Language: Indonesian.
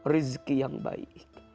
rizki yang baik